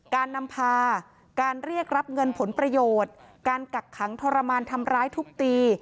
การนำพาการเรียกรับเงินผลประโยชน์การกักขังทรมานทำร้ายทุบตี